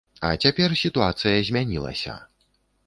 А цяпер сітуацыя змянілася.